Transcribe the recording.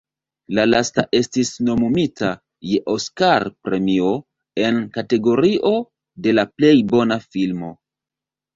La lasta estis nomumita je Oskar-premio en kategorio de la plej bona filmo.